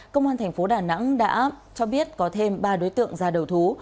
công an thành phố đà nẵng đã cho biết có thêm ba đối tượng ra đầu thú